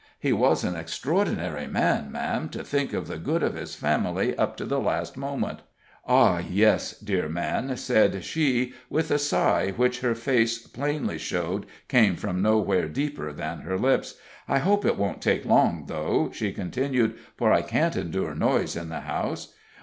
He was an extraordinary man, ma'am, to think of the good of his family up to the last moment." "Ah, yes, dear man!" said she, with a sigh which her face plainly showed came from nowhere deeper than her lips. "I hope it won't take long, though," she continued, "for I can't endure noise in the house."